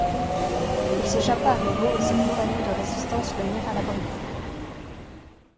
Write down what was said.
Il s'échappa à nouveau et ses compagnons de résistance le mirent à l'abri.